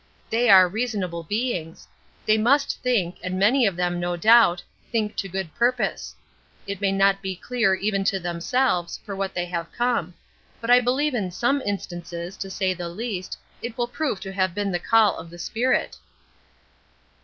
They are reasonable beings. They must think, and many of them, no doubt, think to good purpose. It may not be clear even to themselves for what they have come; But I believe in some instances, to say the least, it will prove to have been the call of the Spirit."